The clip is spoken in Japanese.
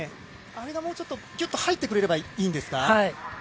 あれがもうちょっときゅっと入ってくれればいいんですか。